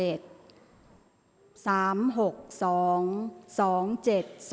ออกรางวัลที่๖